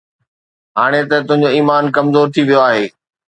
هاڻي ته تنهنجو ايمان ڪمزور ٿي ويو آهي،